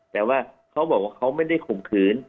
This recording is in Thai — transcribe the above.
แต่ว่าเขาบอกว่าเขาไม่ได้ข่มขืน